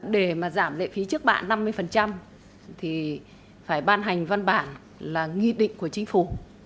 để mà giảm lệ phí trước bạ năm mươi thì phải ban hành văn bản là nghị định của chính phủ